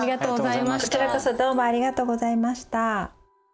こちらこそどうもありがとうございました。